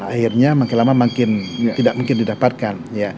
akhirnya makin lama makin tidak mungkin didapatkan